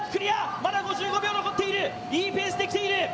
まだ５５秒残っている、いいペースできている。